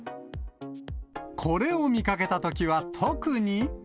これを見かけたときは特に。